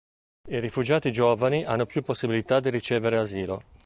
I rifugiati giovani hanno più possibilità di ricevere asilo.